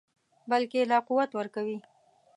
بلکې لا قوت ورکوي.